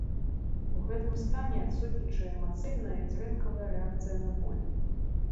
У гэтым стане адсутнічае эмацыйная і зрэнкавая рэакцыя на боль.